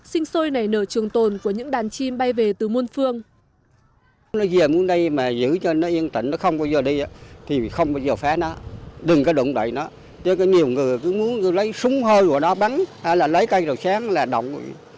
sinh sôi nảy nở trường tồn của những đàn chim bay về từ muôn phương